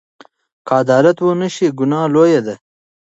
که عدالت ونشي، ګناه لویه ده.